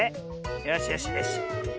よしよしよしよし。